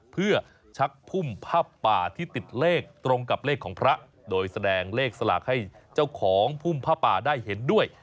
เพื่อชักพุ่มผ้าป่าที่ติดเลขตรงกับเลขของพระโดยแสดงเลขสลากให้เจ้าของพุ่มผ้าป่าได้เห็นด้วย